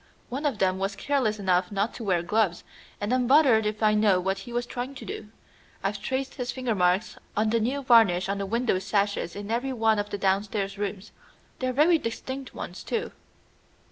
One of them was careless enough not to wear gloves, and I'm bothered if I know what he was trying to do. I've traced his finger marks on the new varnish on the window sashes in every one of the downstairs rooms. They are very distinct ones too."